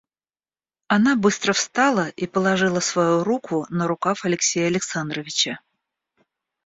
Она быстро встала и положила свою руку на рукав Алексея Александровича.